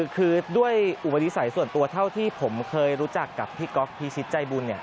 คือด้วยอุปนิสัยส่วนตัวเท่าที่ผมเคยรู้จักกับพี่ก๊อฟพิชิตใจบุญ